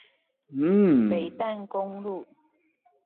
北淡公路